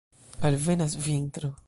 Alvenas vintro.